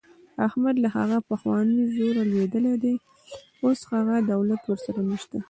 احمد له هغه پخواني زوره لوېدلی دی. اوس هغه دولت ورسره نشته.